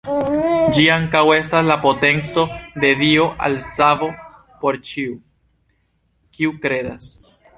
Ĝi ankaŭ estas la potenco de Dio al savo por ĉiu, kiu kredas.